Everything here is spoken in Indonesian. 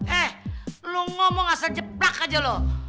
eh lo ngomong asal jeplak aja lo